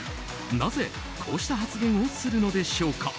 なぜ、こうした発言をするのでしょうか。